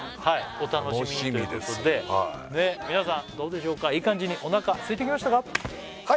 お楽しみにということで皆さんどうでしょうかいい感じにお腹すいてきましたか？